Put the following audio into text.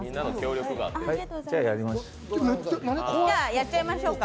やっちゃいましょうか。